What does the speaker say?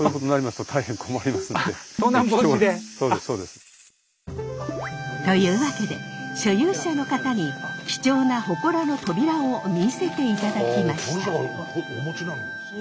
というわけで所有者の方に貴重なほこらの扉を見せていただきました。